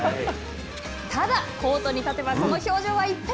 ただ、コートに立てば、その表情は一変。